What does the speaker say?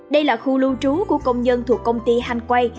đây là khu lưu trú của công nhân thuộc công ty hanh quay